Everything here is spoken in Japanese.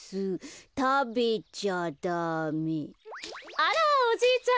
あらおじいちゃん。